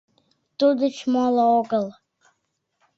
Туддеч моло огыл!